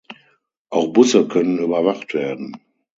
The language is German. Auch Busse können überwacht werden.